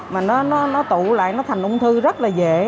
mà nó tụ lại nó thành ung thư rất là dễ